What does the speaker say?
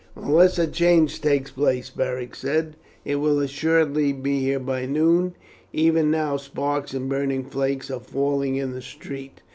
"Unless a change takes place," Beric said, "it will assuredly be here by noon; even now sparks and burning flakes are falling in the street.